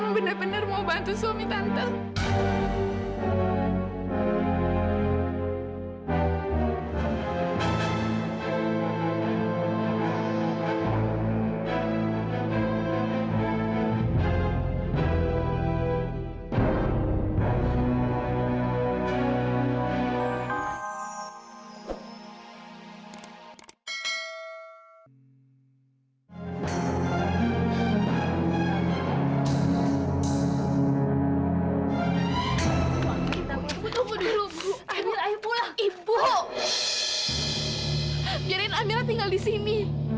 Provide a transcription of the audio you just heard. biarin amirah tinggal di sini